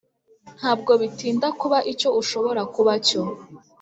ntabwo bitinda kuba icyo ushobora kuba cyo